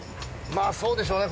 そうでしょうね